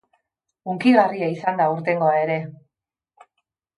Hunkigarria izan da, aurtengoa ere.